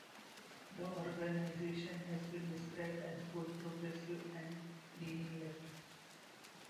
The organization has been described as both progressive and leaning left.